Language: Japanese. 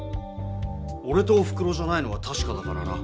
おれとおふくろじゃないのはたしかだからな。